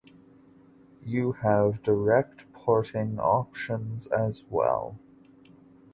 You have direct porting options as well.